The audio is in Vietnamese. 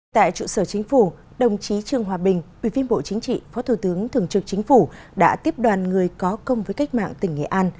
tại trụ sở chính phủ đồng chí trương hòa bình ủy viên bộ chính trị phó thủ tướng thường trực chính phủ đã tiếp đoàn người có công với cách mạng tỉnh nghệ an